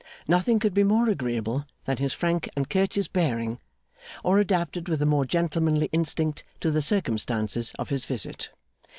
Nothing could be more agreeable than his frank and courteous bearing, or adapted with a more gentlemanly instinct to the circumstances of his visit.